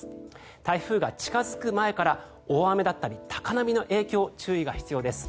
台風が近付く前から大雨だったり高波の影響に注意が必要です。